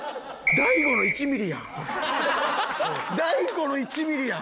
大悟の１ミリやん。